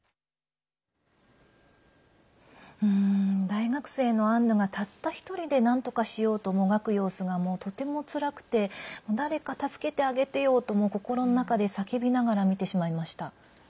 大学生のアンヌがたった１人でなんとかしようともがく様子がとても、つらくて誰か助けてあげてよ！と心の中で叫びながら見てしまいました。